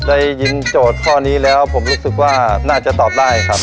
โจทย์ข้อนี้แล้วผมรู้สึกว่าน่าจะตอบได้ครับ